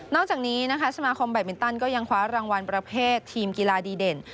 จากนี้นะคะสมาคมแบตมินตันก็ยังคว้ารางวัลประเภททีมกีฬาดีเด่น